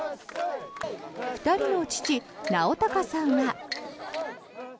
２人の父・直隆さんは。